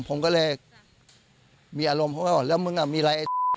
ผมก็เลยมีอารมณ์แล้วมึงอ่ะมีอะไร